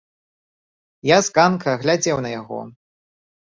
Я з ганка глядзеў на яго.